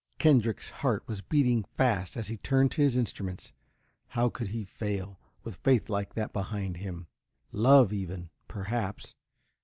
Kendrick's heart was beating fast as he turned to his instruments. How could he fail, with faith like that behind him? love, even, perhaps!